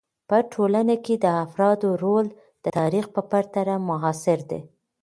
په ټولنه کې د افرادو رول د تاریخ په پرتله معاصر دی.